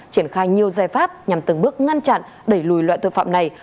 triển khai nhiều giải pháp nhằm từng bước ngăn chặn đẩy lùi loại tội phạm này